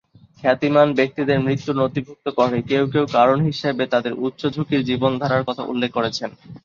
খ্যাতিমান ব্যক্তিদের মৃত্যুর নথিভুক্ত করে, কেউ কেউ কারণ হিসেবে তাদের উচ্চ-ঝুঁকির জীবনধারার কথা উল্লেখ করেছেন।